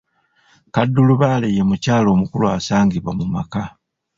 Kaddulubaale ye mukyala omukulu asangibwa mu maka.